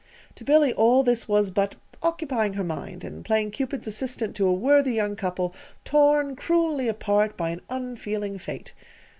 To Billy, all this was but "occupying her mind," and playing Cupid's assistant to a worthy young couple torn cruelly apart by an unfeeling fate.